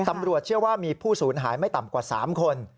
ตำรวจเชื่อว่ามีผู้สูญหายไม่ต่ำกว่า๓คน